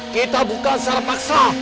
kita bukan secara paksa